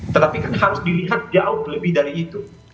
tetapi kan harus dilihat jauh lebih dari itu